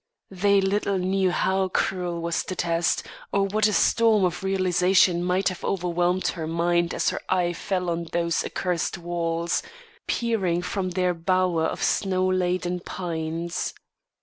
They little knew how cruel was the test, or what a storm of realisation might have overwhelmed her mind as her eye fell on those accursed walls, peering from their bower of snow laden, pines.